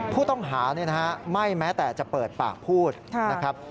ผู้ต้องหาไม่แม้แต่จะเปิดปากพูดนะครับ